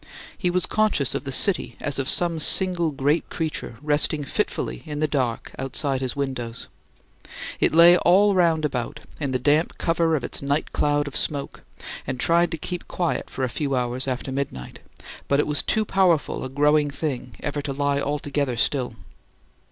He was conscious of the city as of some single great creature resting fitfully in the dark outside his windows. It lay all round about, in the damp cover of its night cloud of smoke, and tried to keep quiet for a few hours after midnight, but was too powerful a growing thing ever to lie altogether still.